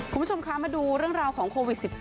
คุณผู้ชมคะมาดูเรื่องราวของโควิด๑๙